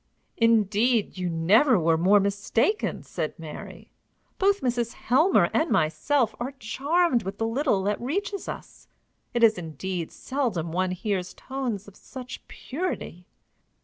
"Indeed, you never were more mistaken," said Mary. "Both Mrs. Helmer and myself are charmed with the little that reaches us. It is, indeed, seldom one hears tones of such purity."